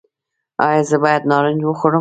ایا زه باید نارنج وخورم؟